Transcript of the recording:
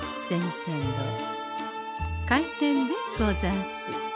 天堂開店でござんす。